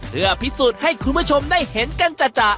เพื่อพิสูจน์ให้คุณผู้ชมได้เห็นกันจ่ะ